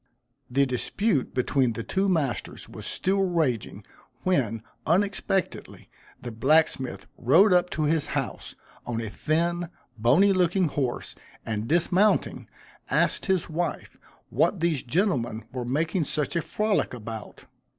The dispute between the two masters was still raging, when, unexpectedly, the blacksmith rode up to his house, on a thin, bony looking horse, and dismounting, asked his wife what these gentlemen were making such a frolick about.